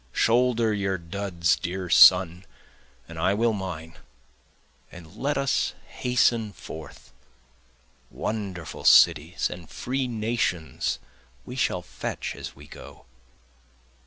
Shoulder your duds dear son, and I will mine, and let us hasten forth, Wonderful cities and free nations we shall fetch as we go.